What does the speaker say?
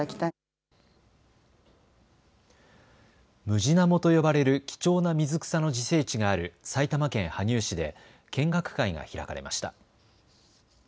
ムジナモと呼ばれる貴重な水草の自生地がある埼玉県羽生市で見学会が開かれました。